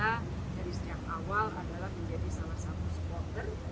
bahwa kita dari setiap awal adalah menjadi salah satu supporter